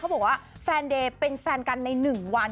เขาบอกว่าแฟนเดยเป็นแฟนกันในหนึ่งวัน